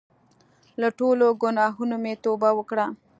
له ټولو ګناهونو مې توبه وکړه.